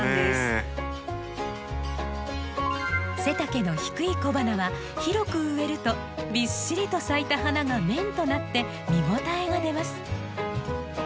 背丈の低い小花は広く植えるとびっしりと咲いた花が面となって見応えが出ます。